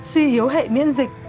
suy hiếu hệ miễn dịch